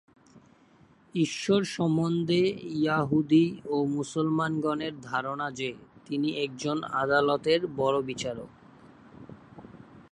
ঈশ্বর সম্বন্ধে য়াহুদী ও মুসলমানগণের ধারণা যে, তিনি একজন আদালতের বড় বিচারক।